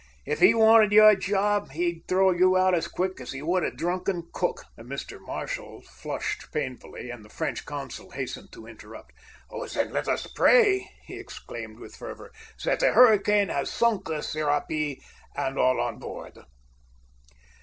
If he wanted your job, he'd throw you out as quick as he would a drunken cook." Mr. Marshall flushed painfully, and the French consul hastened to interrupt. "Then, let us pray," he exclaimed, with fervor, "that the hurricane has sunk the Serapis, and all on board."